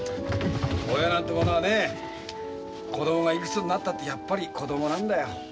親なんてものはね子どもがいくつになったってやっぱり子どもなんだよ。